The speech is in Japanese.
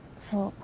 そう。